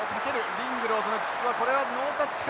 リングローズのキックはこれはノータッチか？